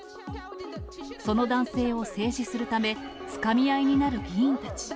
その男性を制止するため、つかみ合いになる議員たち。